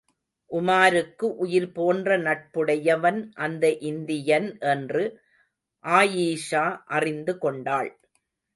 உமாருக்கு உயிர் போன்ற நட்புடையவன் அந்த இந்தியன் என்று ஆயீஷா அறிந்து கொண்டாள்.